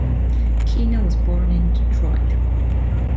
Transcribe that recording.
Kina was born in Detroit.